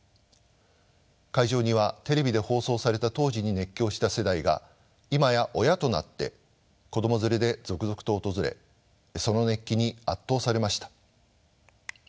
会場にはテレビで放送された当時に熱狂した世代が今や親となって子供連れで続々と訪れその熱気に圧倒されました。